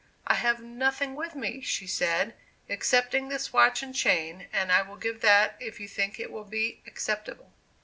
"I have nothing with me," she said, "excepting this watch and chain, and I will give that if you think it will be acceptable."